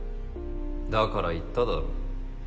だから言っただろう。